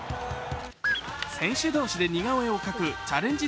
選手同士で似顔絵を描くチャレンジ